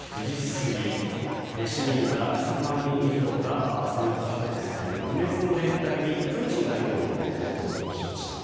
過ぎ市民ら１００万人以上が参加したとされる不滅の連隊にプーチン大統領も登場しました。